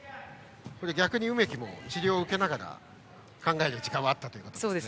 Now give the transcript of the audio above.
逆に梅木も治療を受けながら考える時間はあったということですね。